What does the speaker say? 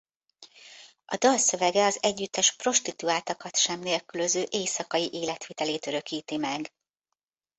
A dal szövege az együttes prostituáltakat sem nélkülöző éjszakai életvitelét örökíti meg.